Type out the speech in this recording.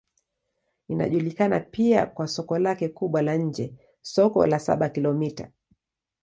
Inajulikana pia kwa soko lake kubwa la nje, Soko la Saba-Kilomita.